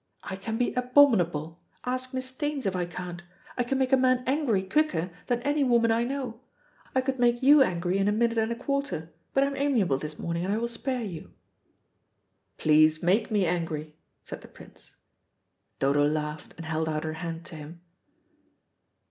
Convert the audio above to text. I can be abominable. Ask Miss Staines if I can't. I can make a man angry quicker than any woman I know. I could make you angry in a minute and a quarter, but I am amiable this morning, and I will spare you." "Please make me angry," said the Prince. Dodo laughed, and held out her hand to him.